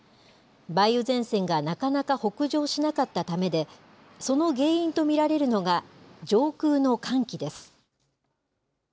梅雨前線がなかなか北上しなかったためで、その原因と見られるのが、上空の寒気です。